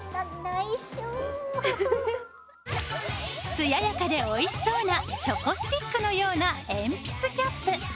艶やかでおいしそうなチョコスティックのような鉛筆キャップ。